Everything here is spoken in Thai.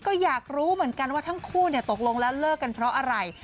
ก็อยากรู้เหมือนกันว่าทั้งคู่ตกลงแล้วเลิกกันเพราะอะไร